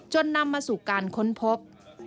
นำมาสู่การค้นพบ